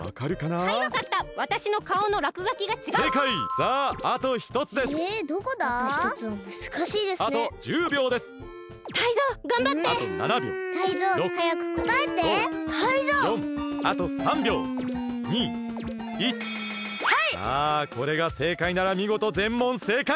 さあこれがせいかいならみごとぜんもんせいかい！